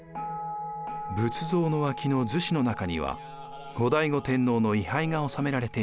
仏像の脇のずしの中には後醍醐天皇の位はいがおさめられています。